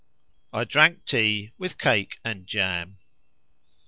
I drank tea, with cake and jam.